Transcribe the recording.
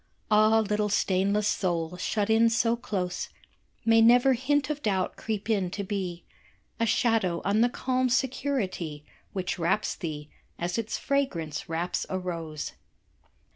Ah, little stainless soul, shut in so close, May never hint of doubt creep in to be A shadow on the calm security Which wraps thee, as its fragrance wraps a rose.